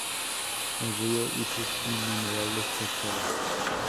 El río y sus innumerables cascadas.